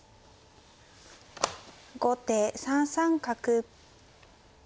後手３三角。